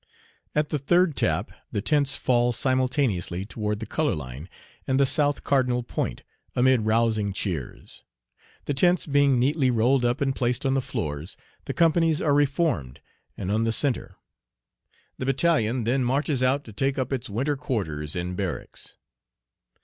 At the third tap the tents fall simultaneously toward the color line and the south cardinal point, amid rousing cheers. The tents being neatly rolled up and placed on the floors, the companies are reformed and on the centre. The battalion then marches out to take up its winter quarters in barracks.